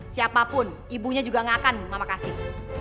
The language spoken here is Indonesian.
siapapun ibunya juga gak akan mama kasih